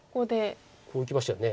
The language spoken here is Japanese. こういきましたよね。